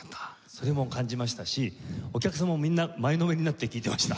それも感じましたしお客さんもみんな前のめりになって聴いてました。